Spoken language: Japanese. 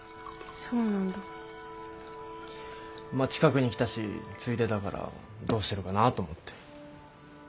まあ近くに来たしついでだからどうしてるかなと思って。